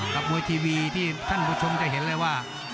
มวยทีวีที่ท่านผู้ชมจะเห็นเลยว่า